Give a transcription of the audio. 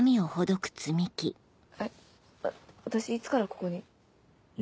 えっ私いつからここに？